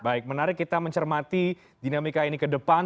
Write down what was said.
baik menarik kita mencermati dinamika ini ke depan